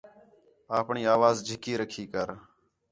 آپݨی اَواز جِھکّی رکھی کر